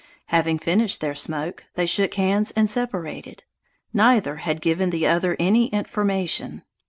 Having finished their smoke, they shook hands and separated. Neither had given the other any information.